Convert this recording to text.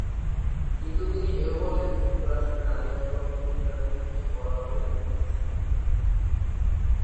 কিন্তু তিনি এও বলেন, "যুক্তরাষ্ট্রে নারী আন্দোলন পতিতাদের নিয়ে বরাবরই দ্বিমুখী ছিল"।